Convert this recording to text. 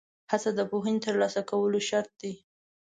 هڅه د پوهې ترلاسه کولو شرط دی.